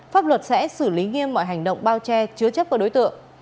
pháp luật sẽ xử lý nghiêm mọi hành động bao che chứa chấp của đối tượng